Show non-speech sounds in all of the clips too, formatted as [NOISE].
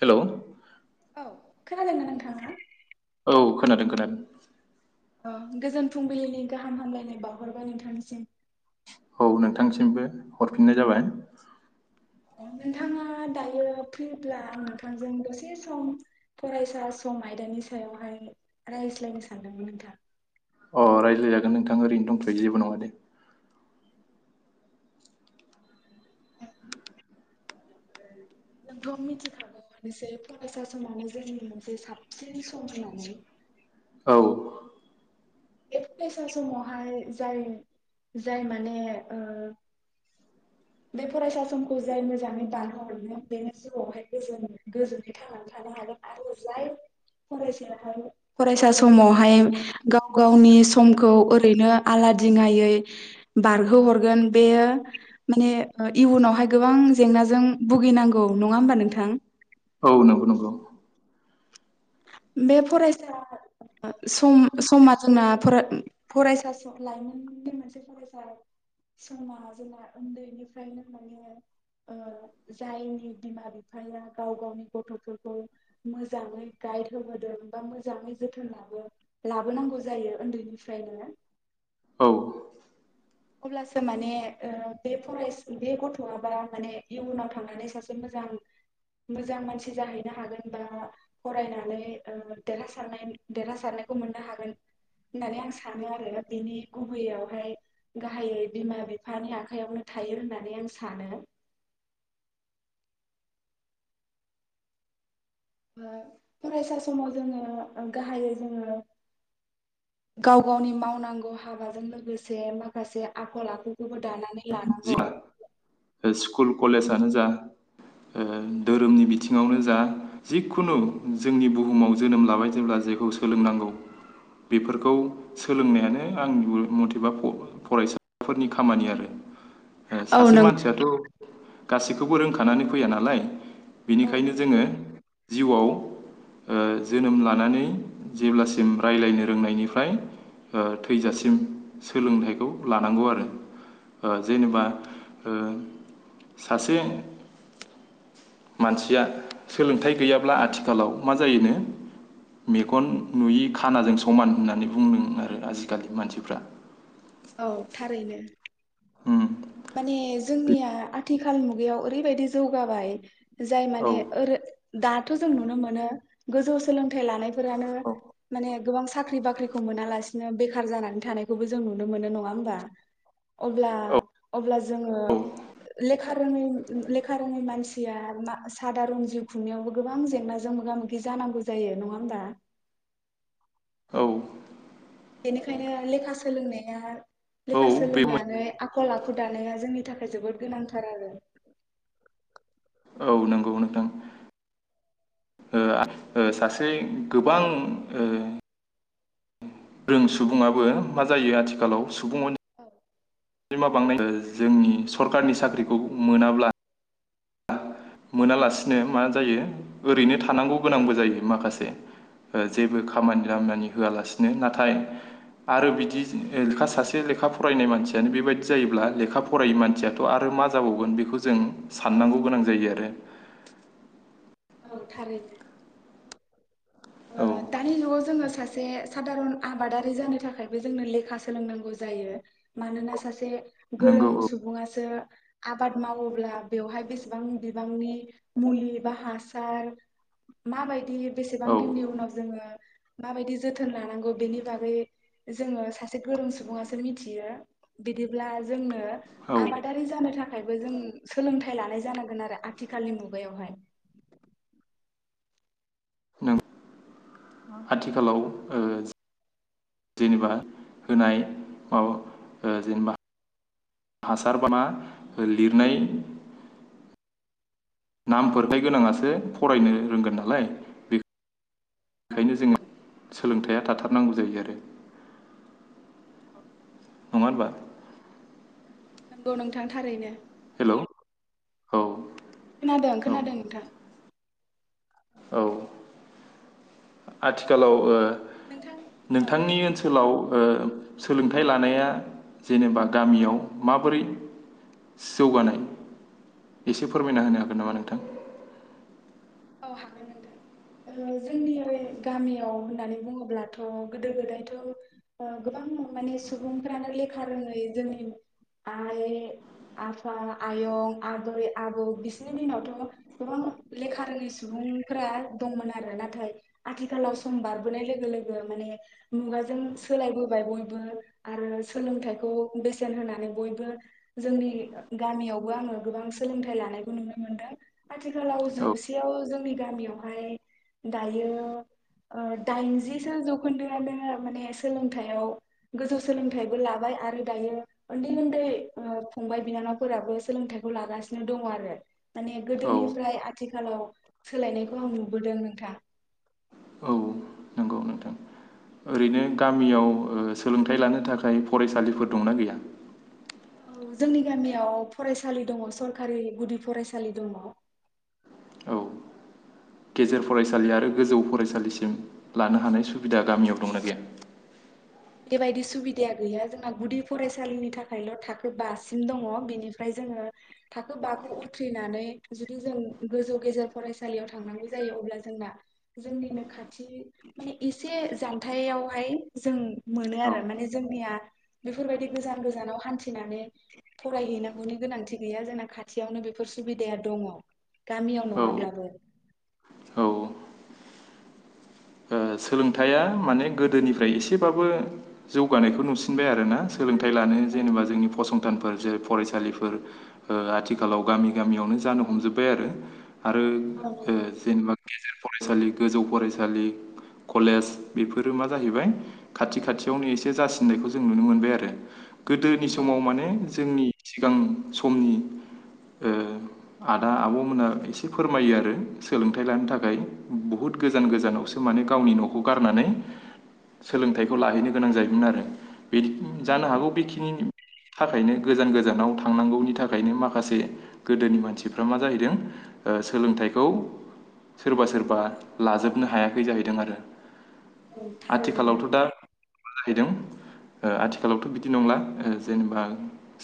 Hello औ खोनादोंना नोंथाङा? औ खोनादों खोनादों। अ गोजोन फुंबिलिनि गाहाम हामलायनाय बावहरबाय नोंथांनिसिम। औ नोंथांसिमबो हरफिननाय जाबाय। नोंथाङा दायो फ्रिब्ला आं नोंथांजों दसे सम फरायसा सम आयदानि सायावहाय रायज्लायनो सानदोंमोन नोंथां। अ रायज्लायजागोन नोंथां ओरैनो दंथ'यो जेबो नङा दे। नोंथ' मिथिखागौवानोसै फरायसा समानो जोंनि मोनसे साबसिन सम होननानै। औ बे फरायसा समावहाय जाय जाय माने ओ बे फरायसा समखौ जाय मोजाङै बारहोहरनो बेनि जिउआवहाय गोजोन गोजोनै थांनानै थानो हागोन आरो जाय फरायसायाहाय फरायसा समावहाय गाव गावनि समखौ ओरैनो आलादिङायै बारहोहरगोन बेयो माने इयुनावहाय गोबां जेंनाजों भुगिनांगौ नङा होमबा नोंथां? औ नंगौ नंगौ बे फरायसा सम समा जोंना फरायसा लाइमोननि मोनसे फरायसा समा जोंना उन्दैनिफ्रायनो माने जायनि बिमा बिफाया गाव गावनि गथ'फोरखौ मोजाङै गाइड जोथोन होदों बा मोजाङै जोथोन ला लाबोनांगौ जायो उन्दैनिफ्रायनो। औ अब्लासो माने बे फराय बे गथ'आ बा माने इयुनाव थांनानै सासे मोजां मोजां मानसि जाहैनो हागोन बा फरायनानै देरहासारनाय देरहासारनायखौ मोननो हागोन होननानै आं सानो आरो बिनि गुबैययावहाय गाहायै बिमा बिफानि आखाइयावनो थायो होननानै आं सानो। फरायसा समाव जोङो गाहायै जोङो गाव गावनि मावनांगौ हाबाजों लोगोसे माखासे आखल आखुखौबो दानानै [INAUDIBLE] लानांगौ कलेजयानो जा धोरोमनि बिथिङावनो जा जिखुनु जोंनि बुहुमाव जोनोम लाबाय जेब्ला जेखौ सोलोंनांगौ, बेफोरखौ सोलोंनायानो आंनिबो मथेबा फ-फरायसाफोरनि खामानि आरो। ओ औ सासे नंगौ मानसियाथ गासैखौबो रोंखानानै फैया नालाय। औ बेनिखायनो नंगौ जोङो जिउआव ओ जोनोम लानानै जेब्लासिम रायलायनो रोंनायनिफ्राय ओ थैजासिम सोलोंथाइखौ लानांगौ आरो। ओ औ जेनेबा ओ सासे मानसिया सोलोंथाइ गैयाब्ला आथिखालाव मा जायोनो? मेगन नुयि खानाजों समान होननानै बुंदों आरो आजिखालि मानसिफ्रा। औ थारैनो। उम माने बे- जोंनिया आथिखाल मुगायाव ओरैबायदि जौगाबाय। जाय औ माने ओरो दाथ जों नुनो मोनो गोजौ सोलों थाइ लानायफोरानो माने गोबां साख्रि बाख्रिखौ मोनालासिनो नो बेखार जानानै थानायखौबो जों नु नुनो मोनो नङा होमबा? अब्ला अब्ला जोङो औ लेखा रोङै लेखा रोङै मानसिया मा सादारन जिउ खुंनायावबो गोबां जेंनाजों मोगा मोगि जानांगौ जायो नङा होमबा? औ। बेनिखायनो लेखा सोलोंनाया औ लेखा बे सोलोंनानै आखल आखु दानाया जोंनि थाखा जोबोद गोनांथार आरो। औ नोंगौ नोंथां ओ ओ सासे गोबां ओ रों सुबुङाबो मा जायो आथिखालाव सुबुं औ। जिमा बांनाय जोंनि सरकारनि साख्रिखौ मोनाब्ला मोनालासिनो मा जायो ओरैनो थानांगौ गोनांबो जायो औ माखासे। ओ जेबो खामानि दामानि नंगौ होआलासिनो ना थाय आरो बिदि लेखा सासे लेखा फरायनाय मानसियानो बेबायदि जायोब्ला लेखा फरायै मानसियाथ आरो मा जाबावगोन? बेखौ जों साननांगौ गोनां जायो आरो। [UNINTELLIGIBLE] औ थारैनो। ओ औ दानि जुगाव जोङो सासे सासे साादारन आबादारि जानो थाखायबो जोंनो लेखा सोलोंनांगौ जायो मानोना सासे गोरों नंगौ औ सुबुङासो आबाद मावोब्ला बेवहाय बेसेबां बिबांनि मुलि बा हासार माबायदि बे बां औ दिननि उनाव जोङो माबायदि जोथोन लानांगौ बेनि बागै जोङो सासे गोरों सुबुङासो मिथियो बिदिब्ला जोंनो औ आबादारि जानो थाख खायबो जों सोलोंथाइ लानाय जानांगोन आरो आथिखालनि मुगायावहाय। नों आथिखालाव ओ जेनेबा होनाय माबा ओ जेनेबा हासार बा लिरनाय नामफोरथाय गोनांआसो सो औ फरायनो रोंगोन नालाय बे औ बेखायनो नंगौ जोङो सोलोंथाइया थाथार नांगौ जायो आरो। औ नङा होनबा? नंगौ नोंथां थारैनो। हेल' औ खोनादों औ खोनादों नोंथां। औ आथिखालाव नोंथां औ नोंथांनि ओनसोलाव ओ सोलोंथाइ लानाया जेनेबा गामियाव माबोरै जौगानाय एसे फोरमायना होनो हाग गोन नामा नोंथां? गोन नोंथां जोंनि गामियाव होननानै बुङोब्लाथ' गोदो गोदायथ' गोबां माने सुबुंफ्रानो लेखा रोङै जोंनि आइ आफा आयं आबै आबौ बिस सोरनि दिनावथ' गोबां लेखा रोङि सुबुंफोरा दंमोन आरो नाथाय आथिखालाव सम बारबोनाय लोगो लोगो माने मुगाजों सोलायबोबाय बयबो आरो सोलोंथाइखौ बेसेन होनानै बयबो जोंनि गामियावबो आङो गोबां सोलोंथाइ लानायखौ नुनो मोन मोनदों आथिखालाव औ जौसेयाव जोंनि गामियावहाय दायो दाइनजिसो जौखोन्दोआनो माने सोलोंथाइयाव गोजौ सोलोंथाइबो लाबाय आरो दायो उन्दै उन्दै फंबाय बिनानावफोराबो सोलोंथाइखौ लागासिनो दङ आरो। माने औ गोदोनिफ्राय आथिखाल आथिखालाव सोलायनायखौ आं नुबोदों नोंथां। औ नंगौ नोंथां ओरैनो गामियाव सोलोंथाइ लानो थाखाय फरायसालिफोर दंना गैया? औ जोंनि गामियाव फरायसालि दङ सरकारि गुदि फरायसालि दङ। औ गेजेर फरायसालि आरो गोजौ फरायसालिसिम लानो हानाय सुबिदा गामियाव दंना गैया? बेबायदि सुबिदाया गैया जोंना गुदि फरायसालिनि थाखायल' थाखो बासिम दङ बेनिफ्राय जोङो थाखो बाखौ उथ्रिनानै जुदि जों गोजौ गेजेर फरायसालियाव थांनांगौ जायो अब्ला जोंना जोंनिनो खाथि माने एसे जानथायावहाय जों मोनो औ आरो माने जोंनिया बेफोरबायदि गोजान गोजानाव हान्थिनानै फरायहैनांगौनि गोनांथि गैया जोंना खाथियावनो बेफोर सुबिदाया दङ गामियाव औ नङाब्लाबो औ ओ सोलोंथाइया माने गोदोनिफ्राय एसेबाबो जौगानायखौ नुसिनबाय आरो ना सोलोंथाइ लानो औ जेनेबा जोंनि फसं संथानफोर जेरै फरायसालिफोर आथिखालाव गामि गामियावनो जानो हमजोब्बाय आरो आरो ओ नंगौ जेनेबा गेजेर फरायसालि गोजौ फरायसालि कलेज बेफोरो मा जाहैबाय खाथि खाथियावनो एसे जासिननायखौ जों नुनो मोनबाय आरो। गोदोनि औ समाव माने जोंनि सिगां समनि आदा आब'मोना एसे फोरमायो आरो। सोलोंथाइ लानो थाखाय बुहुद गोजान गोजानावसो माने गावनि न'खौ गारनानै सोलोंथाइखौ लाहैनो गोनां जायोमोन आरो। बे जानो नंगौ हागौ बेखिनि थाखायनो गोजान गोजानाव थांनांगौनि थाखायनो माखासे गोदोनि मानसिफ्रा मा जाहैदों सोलोंथाइखौ सोरबा सोरबा लाजोबनो हायाखै जाहैदों [INAUDIBLE] औ थारैनो आथिखालावथ' दा जाहैदों आथिखालावथ' बिदि नंला जेनेबा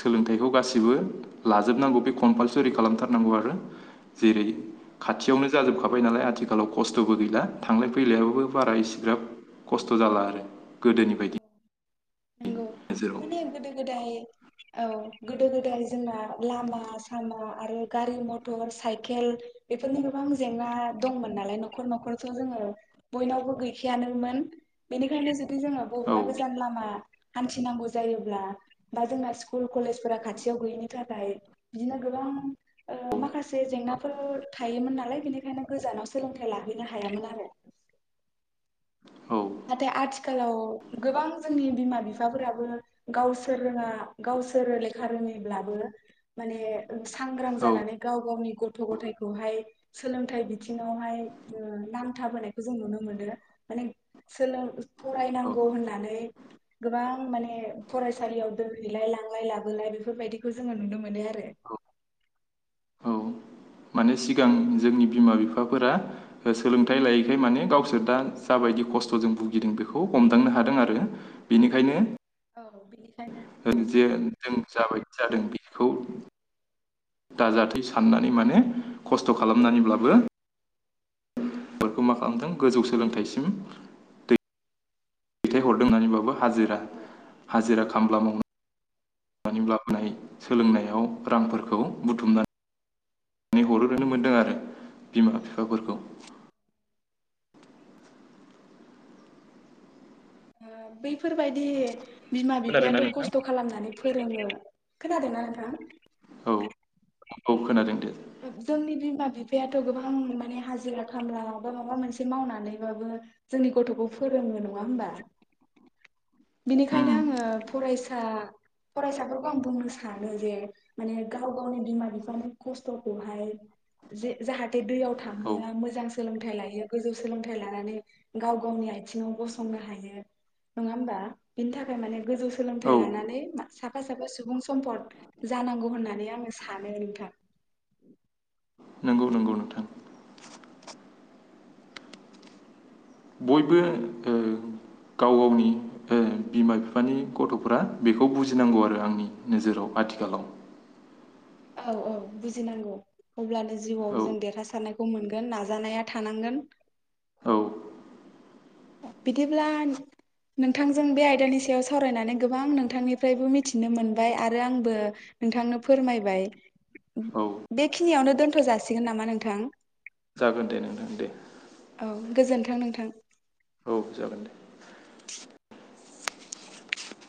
सोलोंथाइखौ गासिबो लाजोबनांगौ बे कमपालसरि खालामथारनांगौ आरो। जेरै खाथियावनो जाजोबखा थाबाय नालाय आथिखालाव खस्थ'बो गैला थांलाय फैलायाबाबो बारा इसिग्राब खस्थ' जाला आरो। गोदोनि बायदि औ नंगौ नोजोराव माने गोदो गोदाय औ गोदो गोदाय जोंना लामा सामा आरो गारि मथर साइकेल बेफोरनि गोबां जेंना दंमोन नालाय न'खर न'खरथ' जोङो बयनावबो गैखायानोमोन बेनिखायनो जुदि जों औ अबावबा गोजान लामा हान्थिनांगौ जायोब्ला बा जोंना स्कुल कलेजफोरा हान्थिनांगौ जायोब्ला बा जोंना स्कुल कलेजफ्रा खाथियाव गैयिनि थाखाय बिदिनो गोबां माखासे जेंनाफोर थायोमोन नालाय बेनिखायनो गोजानाव सोलोंथाइ लाहैनो हायामोन आरो औ नाथाय आथिखालाव गोबां जोंनि बिमा-बिफाफोराबो गावसोर रोङा गावसोर लेखा रोङैब्लाबो माने सांग्राम औ जानानै गाव गावनि गथ' गथायाइखौहाय सोलोंथाइ बिथिङावहाय नांथाबोनायखौ जों नुनो मोनो माने सोलों औ फरायनांगौ होननानै गोबां माने फरायसालियाव दोनहैलाय लांलाय लाबोलाय बेफोरबायदिखौ जोङो नुनो मोनो आरो। औ औ माने सिगां जोंनि बिमा बिफाफोरा सोलोंथाइ लायैखाय माने गावसोर दा जाबायदि खस्थ'जों भुगिदों बेखौ हमदांनो हादों आरो बेनिखायनो औ बेनिखायनो जे जों जाबाय जादों बेखौ दाजाथै साननानै माने खस्थ' खालामनानैब्लाबो बेखौ मा खालामदों गोजौ सोलोंथाइसिम दै दैथाय हरदों होननानै बाबो हाजिरा औ ओ हाजिरा खामला मावनानै लाबोनाय सोलोंनायाव रांफोरखौ बुथुमनानै हरोनो मोन्दों आरो बिमा बिफाफोरखौ बैफोरबायदि बिमा खोनादोंना बिफायाथ' नोंथां खस्थ' खालामनानै फोरोङो खोनादोंना नोंथां औ औ खोनादों दे। जोंनि बिमा बिफायाथ' गोबां माने हाजिरा खामला बा माबा मोनसे मावनानैबाबो जोंनि गथ'खौ फोरोङो नङा होमबा बिनिखायनो उम आङो फरायसा फरायसाफोरखौ आं बुंनो सानो जे माने गाव गावनि बिमा बिफानो खस्थ' हाय जाहाथे दैयाव औ थांहोआ मोजां सोलोंथाइ लायो गोजौ सोलोंथाइ लानानै गाव गावनि आथिंआव गसंनो हायो नङा होमबा बिनि थाखाय माने गोजौ सोलोंथाइ औ लानानै मा साफा साफा सुबुं सम्फद जानांगौ होननानै आङो सानो नोंथां नंगौ नंगौ नोंथां बयबो ओ गाव गावनि ओ बिमा बिफानि गथ'फोरा बेखौ बुजिनांगौ आरो आंनि नोजोराव आथिखालाव। औ औ बुजिनांगौ अब्लानो जिउआव औ जों देरहासारनायखौ मोनगोन नाजानाया थानांगोन। औ बिदिब्ला नोंथांजों बे आयदानि सायाव सावरायनानै गोबां नोंथांनिफ्रायबो मिथिनो मोनबाय आरो आंबो नोंथांनो फोरमायबाय औ बेखिनियावनो दोनथ' जासिगोन नामा नोंथां जागोन दे नोंथां दे औ गोजोन्थों नोंथां। औ जागोन दे